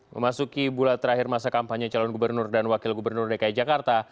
memasuki bulan terakhir masa kampanye calon gubernur dan wakil gubernur dki jakarta